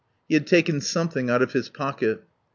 He had taken something out of his pocket.